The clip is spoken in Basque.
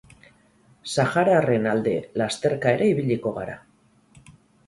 Sahararren alde lasterka ere ibiliko gara.